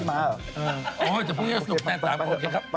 อ่าแต่พวกมันจะสนุกแปลง๘๓๖ครับ